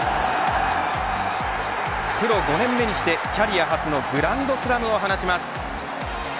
プロ５年目にしてキャリア初のグランドスラムを放ちます。